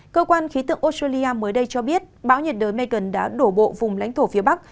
cơ quan khí tượng australia mới đây cho biết bão nhiệt đới megan đã đổ bộ vùng lãnh thổ phía bắc